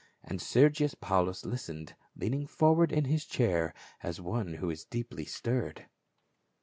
And Scrgius Paulus listened, leaning forward in his chair as one who is deeply stirred.